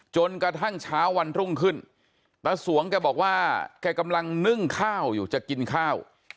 จนกระทั่งเช้าวันรุ่งขึ้นตาสวงแกบอกว่าแกกำลังนึ่งข้าวอยู่จะกินข้าว